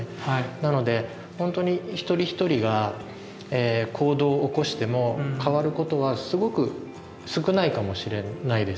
なのでほんとに一人一人が行動を起こしても変わることはすごく少ないかもしれないです。